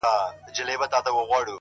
گراني خبري سوې پرې نه پوهېږم ـ